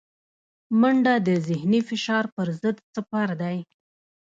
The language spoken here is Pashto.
منډه د ذهني فشار پر ضد سپر دی